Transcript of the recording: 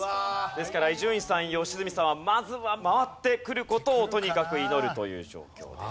ですから伊集院さん良純さんはまずは回ってくる事をとにかく祈るという状況です。